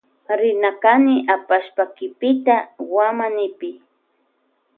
Rina kani apashpa kipita wamanipi.